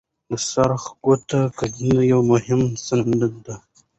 د سرخ کوتل کتیبه یو مهم سند دی.